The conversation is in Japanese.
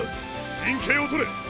陣形をとれ！